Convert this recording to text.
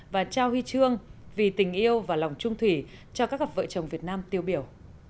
và trao huy chương vì tình yêu và lòng trung thủy cho các cặp vợ chồng việt nam tiêu biểu